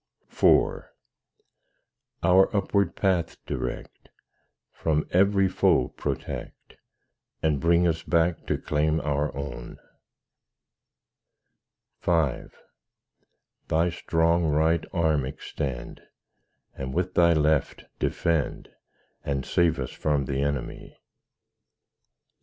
IV Our upward path direct, From every foe protect, And bring us back to claim our own. V Thy strong right arm extend, And with Thy left defend, And save us from the enemy.